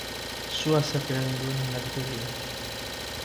Sua zerk eragin duen ez dakite oraindik.